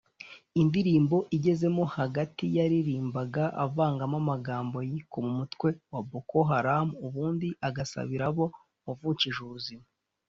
indirimbo igezemo hagati yaririmbaga avangamo amagambo yikoma umutwe wa Boko Haram ubundi agasabira abo wavukije ubuzima